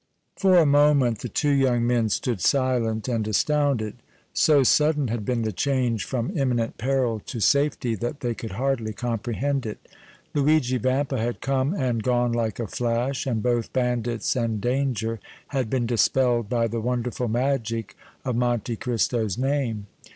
For a moment the two young men stood silent and astounded. So sudden had been the change from imminent peril to safety that they could hardly comprehend it. Luigi Vampa had come and gone like a flash, and both bandits and danger had been dispelled by the wonderful magic of Monte Cristo's name.